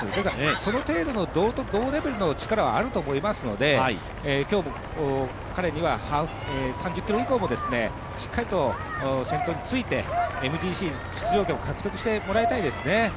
その程度の同レベルの力はあると思いますので今日も彼には３０ｋｍ以降もしっかりとちゃんとついてＭＧＣ出場権を獲得してもらいたいですね。